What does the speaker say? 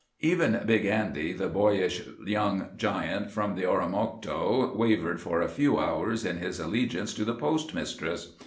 Even Big Andy, the boyish young giant from the Oromocto, wavered for a few hours in his allegiance to the postmistress.